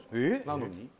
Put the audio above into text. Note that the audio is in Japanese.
なのに？